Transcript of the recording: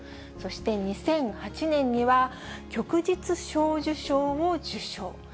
そして２００８年には旭日小綬章を受章。